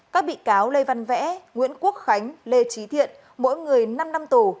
các bị cáo lê văn vẽ nguyễn quốc khánh lê trí thiện mỗi người năm năm tù